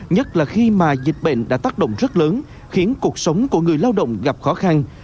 nhất là khi mà dịch bệnh đã tác động rất lớn khiến cuộc sống của người lao động gặp khó khăn